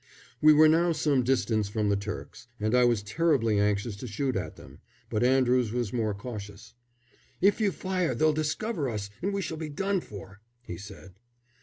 We were now some distance from the Turks, and I was terribly anxious to shoot at them; but Andrews was more cautious. "If you fire they'll discover us, and we shall be done for!" he said.